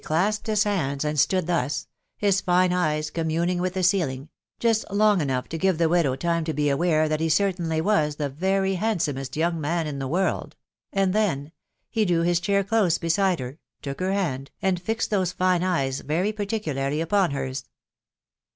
417 clasped his hands, and stood thus, — his fine eyes communing with the ceilings —just long enough to give the widow time to be awsre that he certainly was the very handsomest young man in the world ;•••• and then •... he drew his chair close beside her, took her hand, and fixed those fine eyes very particularly upon hers.